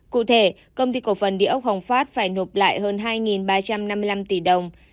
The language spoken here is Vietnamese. cụ thể công ty cổ phần địa ốc hồng phát phải nộp lại hơn hai ba trăm năm mươi năm tỷ đồng